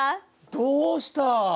どうした！？